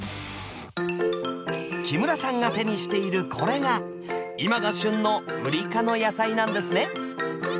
木村さんが手にしているこれが今が旬のウリ科の野菜なんですね